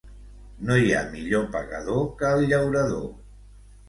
No hi ha millor pagador que el llaurador.